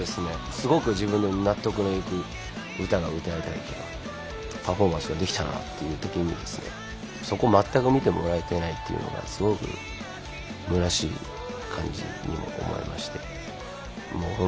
すごく自分でも納得のいく歌が歌えたりパフォーマンスができたなという時にですねそこ全く見てもらえてないっていうのがすごくむなしい感じに思えまして。